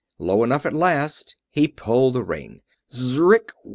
Low enough at last, he pulled the ring.